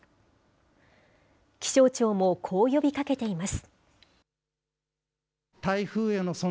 気象庁もこう呼びかけています。